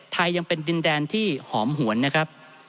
ยังเป็นดินแดนที่หอมหวนนะครับ